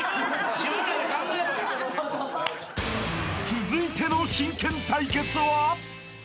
［続いての真剣対決は？］